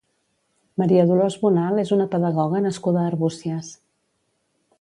Maria Dolors Bonal és una pedagoga nascuda a Arbúcies.